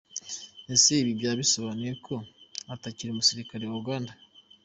Ese ibi byaba bisobanuye ko atakiri umusirikare wa Uganda?